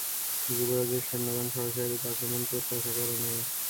যুবরাজের সৈন্যগণ সহসা এরূপ আক্রমণ প্রত্যাশা করে নাই।